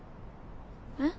えっ？